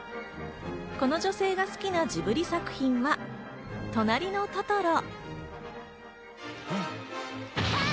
この女性が好きなジブリ作品は『となりのトトロ』。